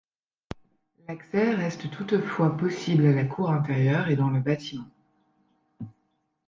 L'accès reste toutefois possible à la cour intérieure et dans le bâtiment.